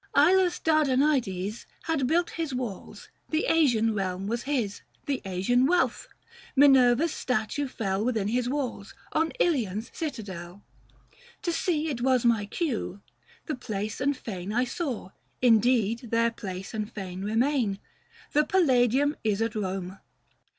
Ilus Dardanides Had built his walls ; the Asian realm was his, The Asian wealth ; Minerva's statue fell Within his walls — on Ilion's citadel. 495 To see it was my cue : the place and fane I saw, indeed, there place and fane remain ; The Palladium is at Kome.